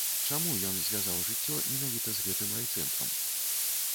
Чаму ён звязаў жыццё менавіта з гэтым райцэнтрам?